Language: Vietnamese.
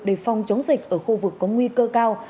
để phòng chống dịch ở khu vực có nguy cơ cao